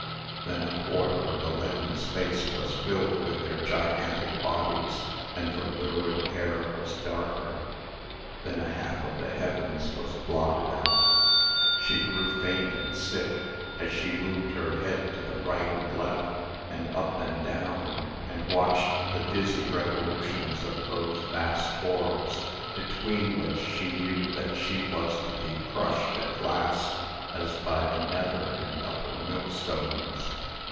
Then a quarter of the leaden space was filled with their gigantic bodies, and the lurid air was darker. Then a half of the heavens was blotted out; She grew faint and sick, as she moved her head to the right and left, and up and down, and watched the dizzy revolutions of those vast orbs, between which she knew that she was to be crushed at last, as by the nether and upper millstones.